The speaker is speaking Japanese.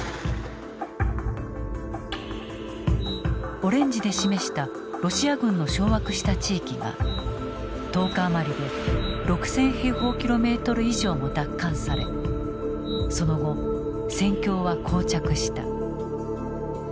オレンジで示したロシア軍の掌握した地域が１０日余りで６，０００平方キロメートル以上も奪還されその後戦況は膠着した。